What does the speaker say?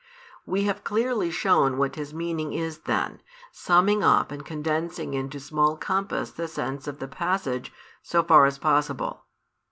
We have clearly shown what His meaning is then, summing up and condensing into small compass the sense of the passage, so far as possible.